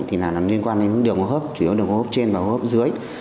thì là liên quan đến đường hốp chủ yếu đường hốp trên và hốp dưới